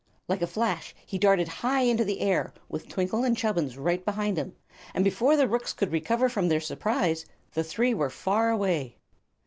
Like a flash he darted high into the air, with Twinkle and Chubbins right behind him, and before the rooks could recover from their surprise the three were far away.